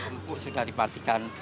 empuk sehingga dipatikan